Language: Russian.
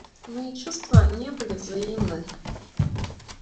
Мои чувства не были взаимны.